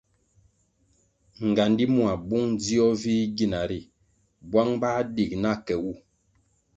Ngandi mua bung dzio vih gina ri bwang bah dig na ke wu.